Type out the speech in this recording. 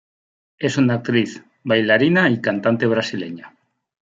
Es una actriz, bailarina y cantante brasileña.